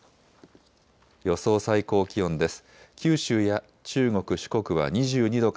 予想最高気温です。